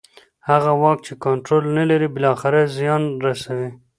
هغه واک چې کنټرول نه لري بالاخره زیان رسوي